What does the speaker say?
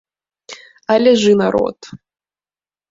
Але ж і народ!